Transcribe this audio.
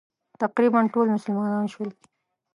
تقریباً ټول مسلمانان شول.